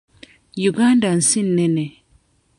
Uganda nsi nnene.